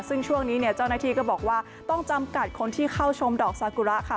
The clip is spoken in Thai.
ซึ่งช่วงนี้เนี่ยเจ้าหน้าที่ก็บอกว่าต้องจำกัดคนที่เข้าชมดอกซากุระค่ะ